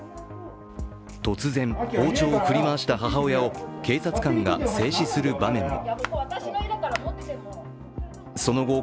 突然、包丁を振り回した母親を警察官が制止する場面も。